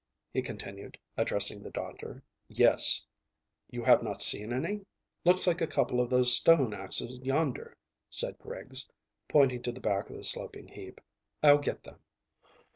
he continued, addressing the doctor. "Yes; you have not seen any?" "Looks like a couple of those stone axes yonder," said Griggs, pointing to the back of the sloping heap. "I'll get them."